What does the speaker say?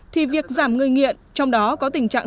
thì việc giảm người nghiện trong đó có tình trạng